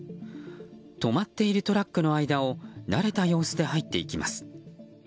止まっているトラックの間を慣れた様子で入っていきます。